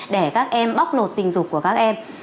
để các em bóc lột tình dục của các em